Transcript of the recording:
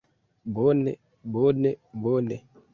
Bone... bone... bone...